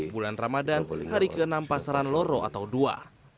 bulan ramadan hari ke enam pasaran loro atau dua